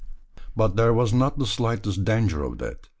But there was not the slightest danger of that.